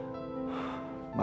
sampai pikiranku berubah